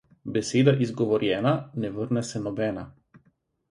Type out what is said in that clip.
Beseda izgovorjena, ne vrne se nobena.